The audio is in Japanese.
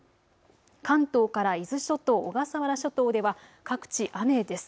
関東から伊豆諸島、小笠原諸島では各地、雨です。